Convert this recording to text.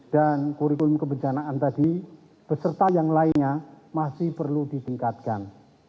dan kurikulum kebencanaan tadi beserta yang lainnya masih perlu ditingkatkan